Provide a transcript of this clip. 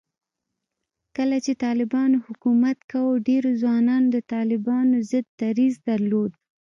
کله چې طالبانو حکومت کاوه، ډېرو ځوانانو د طالبانو ضد دریځ درلود